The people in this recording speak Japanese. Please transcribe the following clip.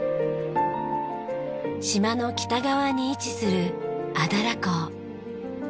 島の北側に位置するアダラ港。